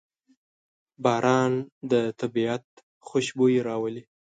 باران د طبیعت خوشبويي راولي.